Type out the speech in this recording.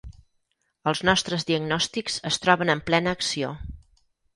Els nostres diagnòstics es troben en plena acció.